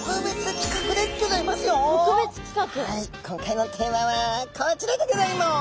今回のテーマはこちらでギョざいます！